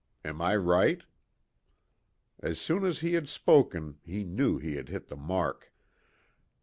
Am I right?" As soon as he had spoken he knew he had hit the mark.